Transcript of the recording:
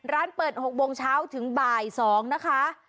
ร้านเปิด๖โมงเช้าถึงบ่าย๒นะคะ